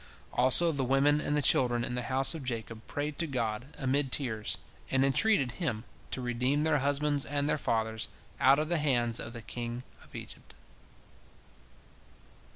Also the women and the children in the house of Jacob prayed to God amid tears, and entreated Him to redeem their husbands and their fathers out of the hands of the king of Egypt.